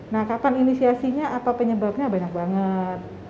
nah kapan inisiasinya apa penyebabnya banyak banget